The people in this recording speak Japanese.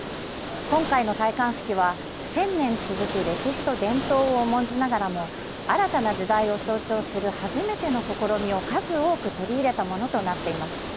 今回の戴冠式は、１０００年続く歴史と伝統を重んじながらも、新たな時代を象徴する初めての試みを数多く取り入れたものとなっています。